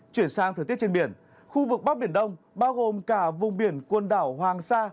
chuyển sang thời tiết trên biển khu vực bắc biển đông bao gồm cả vùng biển quần đảo hoàng sa